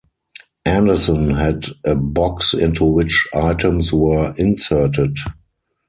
Anderson had a box into which items were inserted.